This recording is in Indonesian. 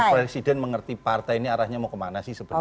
presiden mengerti partai ini arahnya mau kemana sih sebenarnya